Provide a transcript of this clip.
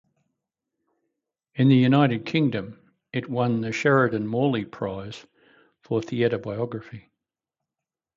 In the United Kingdom, it won the Sheridan Morley Prize for Theatre Biography.